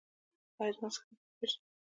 ایا زما څښاک به ښه شي؟